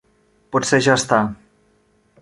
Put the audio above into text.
Potser ja està.